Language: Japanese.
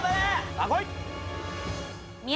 さあこい！